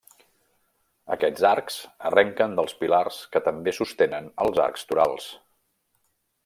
Aquests arcs arrenquen dels pilars que també sostenen els arcs torals.